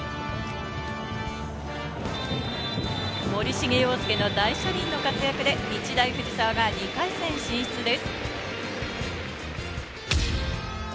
森重陽介の大車輪の活躍で日大藤沢が２回戦進出です。